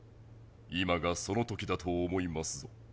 今がそのときだと思いますぞ。